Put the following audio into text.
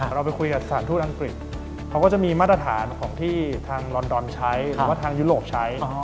เราไปคุยกับสถานทูตอังกฤษเขาก็จะมีมาตรฐานของที่ทางลอนดอนใช้หรือว่าทางยุโรปใช้